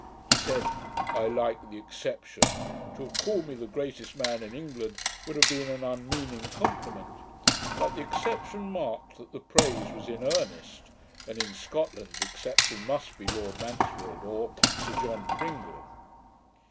He said, 'I like the exception: to have called me the greatest man in England, would have been an unmeaning compliment: but the exception marked that the praise was in earnest; and, in SCOTLAND, the exception must be LORD MANSFIELD, or SIR JOHN PRINGLE.'